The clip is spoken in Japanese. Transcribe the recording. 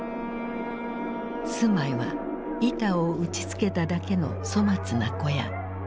住まいは板を打ちつけただけの粗末な小屋。